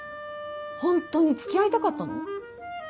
ホントに付き合いたかったの？